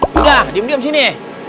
sudah diam diam sini